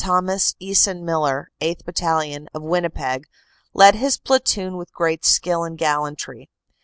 Thomas Easson Miller, 8th. Battalion, of Winnipeg, led his platoon with great skill and gallantry.